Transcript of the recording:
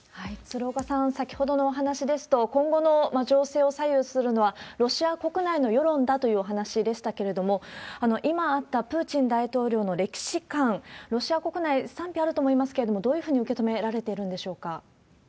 鶴岡さん、先ほどのお話ですと、今後の情勢を左右するのはロシア国内の世論だというお話でしたけれども、今あったプーチン大統領の歴史観、ロシア国内で賛否あると思いますけれども、どういうふうに受け止められているんでしょうか。